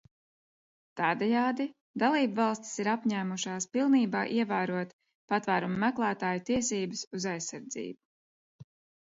Tādējādi dalībvalstis ir apņēmušās pilnībā ievērot patvēruma meklētāju tiesības uz aizsardzību.